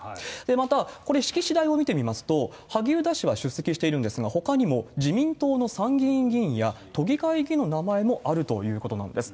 また、これ、式次第を見てみますと、萩生田氏は出席しているんですが、ほかにも自民党の参議院議員や、都議会議員の名前もあるということなんです。